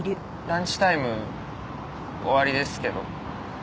ランチタイム終わりですけど。